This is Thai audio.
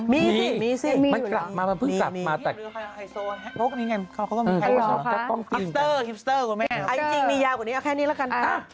มีมันกลับมามันเพิ่งกลับมาแต่